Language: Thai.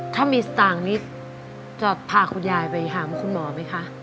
ถ้ามีสตางค์นี้จะพาคุณยายไปหาคุณหมอไหมคะ